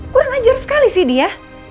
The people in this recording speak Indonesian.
kurang ajar sekali sih dia